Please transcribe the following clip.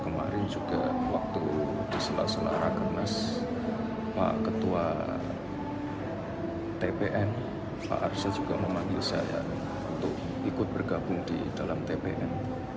kemarin juga waktu di sela sela rakernas pak ketua tpn pak arsul juga memanggil saya untuk ikut bergabung di dalam tpn